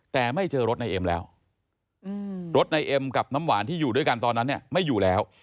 แต่ไม่เจอรถนายเอ็มแล้วรถนายเอ็มกับน้ำหวานที่อยู่ด้วยกันตอนนั้นเนี่ยไม่อยู่แล้ว